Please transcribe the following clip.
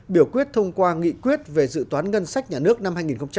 biểu quyết thông qua nghị quyết về dự toán ngân sách nhà nước năm hai nghìn một mươi bảy